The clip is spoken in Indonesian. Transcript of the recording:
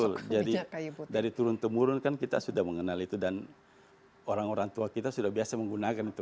betul jadi dari turun temurun kan kita sudah mengenal itu dan orang orang tua kita sudah biasa menggunakan itu